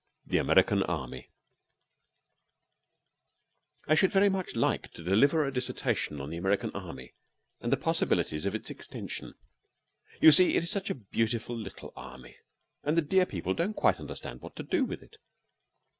THE AMERICAN ARMY I SHOULD very much like to deliver a dissertation on the American army and the possibilities of its extension. You see, it is such a beautiful little army, and the dear people don't quite understand what to do with it.